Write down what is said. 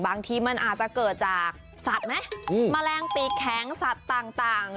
บางทีมันอาจจะเกิดจากสัตว์ไหมแมลงปีกแข็งสัตว์ต่าง